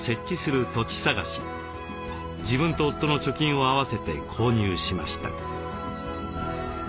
自分と夫の貯金を合わせて購入しました。